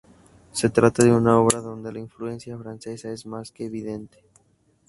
Se trata de una obra donde la influencia francesa es más que evidente.